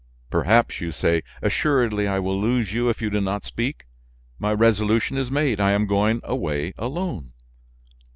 "Perhaps, you say? Assuredly I will lose you if you do not speak; my resolution is made: I am going away alone."